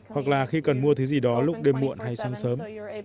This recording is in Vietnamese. hoặc là khi cần mua thứ gì đó lúc đêm muộn hay sáng sớm